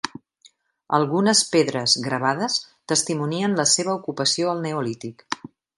Algunes pedres gravades testimonien la seva ocupació al neolític.